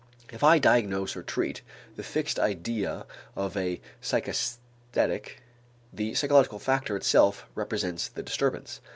If I diagnose or treat the fixed idea of a psychasthenic, the psychological factor itself represents the disturbance.